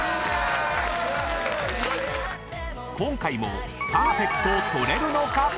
［今回もパーフェクトを取れるのか⁉］